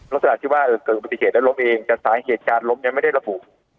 ลักษณะที่ว่าเกิดอุบัติเหตุแล้วล้มเองแต่สาเหตุการล้มยังไม่ได้ระบุ